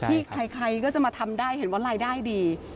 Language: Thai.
ที่ใครก็จะมาทำได้เห็นว่ารายได้ดี